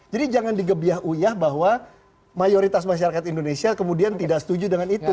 jadi jangan digebiah uyah bahwa mayoritas masyarakat indonesia kemudian tidak setuju dengan itu